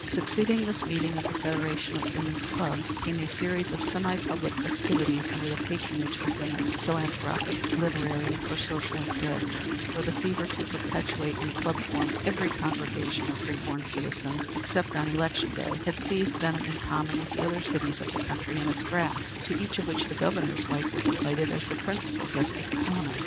Succeeding this meeting of the Federation of Women's Clubs came a series of semi public festivities under the patronage of women philanthropic, literary or social in character for the fever to perpetuate in club form every congregation, of free born citizens, except on election day, had seized Benham in common with the other cities of the country in its grasp, to each of which the Governor's wife was invited as the principal guest of honor.